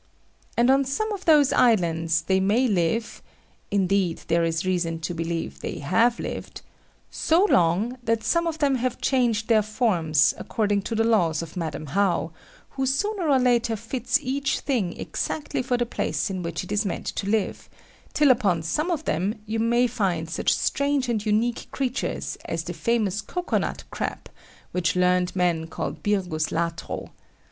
And on some of those islands they may live (indeed there is reason to believe they have lived), so long, that some of them have changed their forms, according to the laws of Madam How, who sooner or later fits each thing exactly for the place in which it is meant to live, till upon some of them you may find such strange and unique creatures as the famous cocoa nut crab, which learned men call Birgus latro.